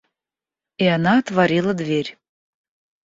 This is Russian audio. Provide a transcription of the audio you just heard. И она отворила дверь.